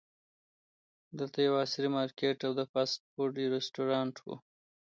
دلته یو عصري مارکیټ او د فاسټ فوډ رسټورانټ و.